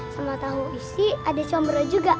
sama tahu isi ada combro juga